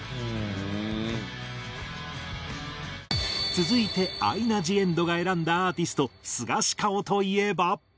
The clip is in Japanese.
続いてアイナ・ジ・エンドが選んだアーティストスガシカオといえば。